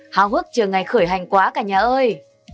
hào hức chờ ngày khởi hành quá cả nhà ơi